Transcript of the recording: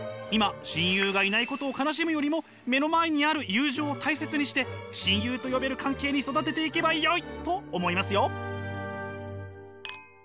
今親友がいないことを悲しむよりも目の前にある友情を大切にして親友と呼べる関係に育てていけばよいと思いますよ。